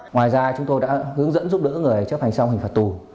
ngoài ra chúng tôi đã hướng dẫn giúp đỡ người chấp hành xong hình phạt tù